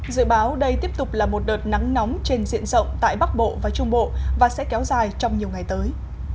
dự báo đây tiếp tục là một đợt nắng nóng trên diện rộng tại bắc bộ và trung bộ và sẽ kéo dài trong nhiều ngày tới